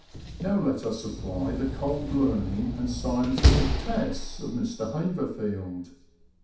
Now let us apply the cold learning and scientific tests of Mr. Haverfield.